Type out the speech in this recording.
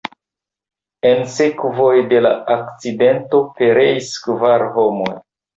En sekvoj de la akcidento pereis kvar homoj.